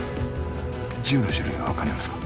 銃の種類は分かりますか？